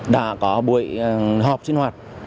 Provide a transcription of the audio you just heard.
đã có buổi họp sinh hoạt